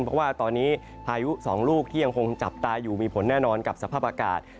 เพราะว่าตอนนี้พายุ๒ลูกที่ยังคงจับตาอยู่มีผลแน่นอนกับสภาพอากาศ